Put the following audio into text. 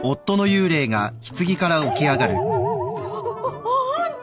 あっあっあんた！